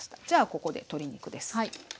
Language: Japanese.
じゃここで鶏肉です。